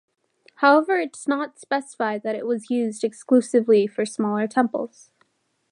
However, it does not specify that it was used exclusively for smaller temples.